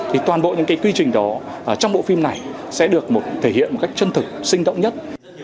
thì toàn bộ những cái quy trình đó trong bộ phim này sẽ được thể hiện một cách chân thực sinh động nhất